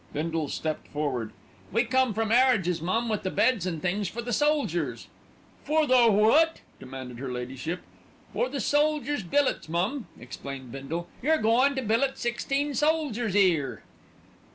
Bindle stepped forward. "We come from 'Arridges, mum, with the beds an' things for the soldiers." "For the what?" demanded her ladyship. "For the soldiers' billets, mum," explained Bindle. "You're goin' to billet sixteen soldiers 'ere."